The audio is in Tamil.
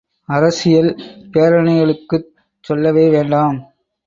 அரசியல் பேரணிகளுக்குச் சொல்லவே வேண்டாம்!